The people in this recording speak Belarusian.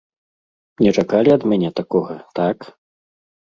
Не чакалі ад мяне такога, так?